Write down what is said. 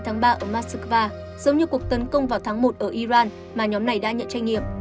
hai mươi hai tháng ba ở moskva giống như cuộc tấn công vào tháng một ở iran mà nhóm này đã nhận tranh nghiệp